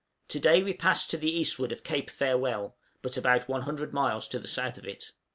_ To day we passed to the eastward of Cape Farewell, but about 100 miles to the south of it.